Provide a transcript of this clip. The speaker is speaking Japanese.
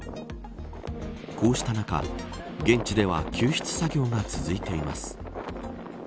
こうした中、現地では救出作業が続いています。